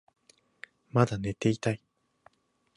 まだ寝ていたい